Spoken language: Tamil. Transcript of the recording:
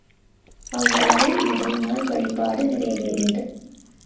அவ்வளவில் முதல் நாள் வழிபாடு நிறைவேறியது.